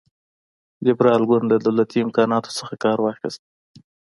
لېبرال ګوند له دولتي امکاناتو څخه کار واخیست.